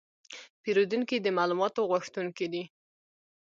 پیرودونکي د معلوماتو غوښتونکي دي.